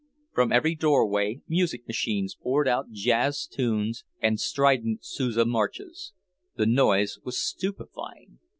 From every doorway music machines poured out jazz tunes and strident Sousa marches. The noise was stupefying.